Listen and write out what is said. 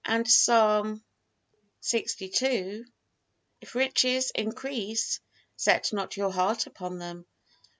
And Psalm lxii: "If riches increase, set not your heart upon them."